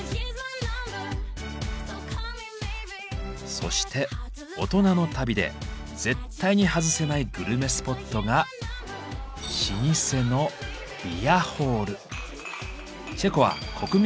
そして大人の旅で絶対に外せないグルメスポットが老舗のビアホール。